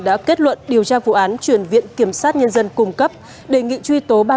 đã kết luận điều tra vụ án chuyển viện kiểm sát nhân dân cung cấp đề nghị truy tố ba mươi sáu bị can